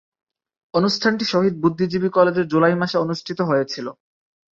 অনুষ্ঠানটি শহীদ বুদ্ধিজীবী কলেজে জুলাই মাসে অনুষ্ঠিত হয়েছিলো।